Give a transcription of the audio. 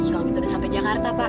kalau gitu udah sampai jakarta pak